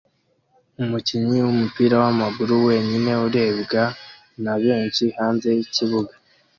Umukinnyi wumupira wamaguru wenyine urebwa na benshi hanze yikibuga